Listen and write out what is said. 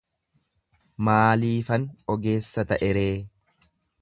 maaliifan ogeessa ta'e ree?